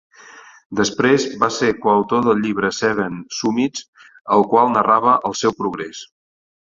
Després va ser coautor del llibre "Seven Summits", el qual narrava el seu progrés.